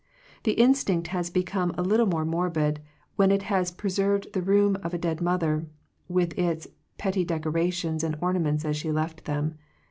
The in stinct has become a little more morbid, when it has preserved the room of a dead mother, with its petty decorations and ornaments as she left them.